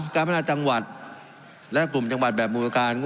การพัฒนาจังหวัดและกลุ่มจังหวัดแบบบูรการ